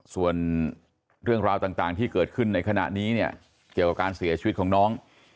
ส่วนเรื่องราวต่างที่เกิดขึ้นในขณะนี้เนี่ยเกี่ยวกับการเสียชีวิตของน้อง